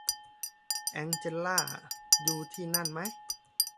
แองเจลล่าอยู่ที่นั่นมั้ย